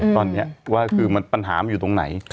ตอนนี้ว่ามันปัญหาอยู่ตรงไหน